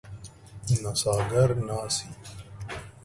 نڅاګر ناڅي.